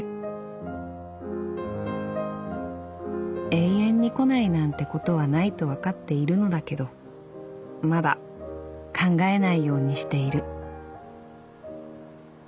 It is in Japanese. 「永遠に来ないなんてことはないと分かっているのだけどまだ考えないようにしている」。